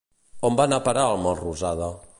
On va anar a parar el Melrosada?